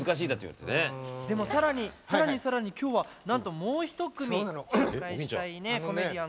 でも更に更に更に今日はなんともう一組紹介したいコメディアンがいるんだよね。